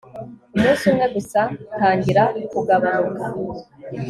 Umunsi umwe gusa tangira kugabanuka